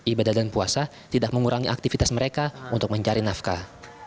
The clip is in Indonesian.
ibadah dan puasa tidak mengurangi aktivitas mereka untuk mencari nafkah